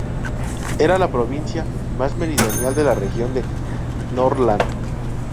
Era la provincia más meridional de la región de Norrland.